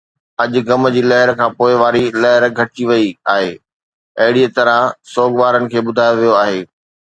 اڄ غم جي لهر کان پوءِ واري لهر گهٽجي وئي آهي، اهڙيءَ طرح سوڳوارن کي ٻڌايو ويو آهي